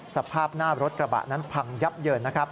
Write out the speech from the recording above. สภาพหน้ารถกระบะนั้นพังยับเยิน